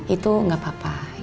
itu gak apa apa